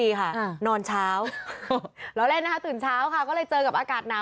ล้อเล่นนะคะตื่นเช้าก็เลยเจอกับอากาศหนาว